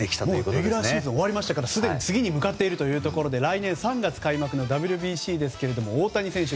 レギュラーシーズン終わりましたからすでに次に向かっているというところで来年３月開幕のＷＢＣですけれども大谷選手